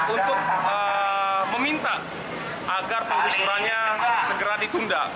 untuk meminta agar pengusurannya segera ditunda